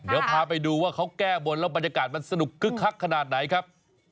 เดี๋ยวพาไปดูว่าเขาแก้บนแล้วบรรยากาศมันสนุกคึกคักขนาดไหนครับ